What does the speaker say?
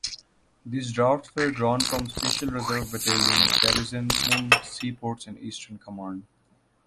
These drafts were drawn from Special Reserve battalions garrisoning seaports in Eastern Command.